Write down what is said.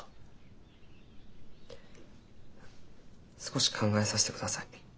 少し考えさせて下さい。